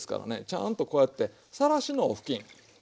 ちゃんとこうやってさらしのお布巾。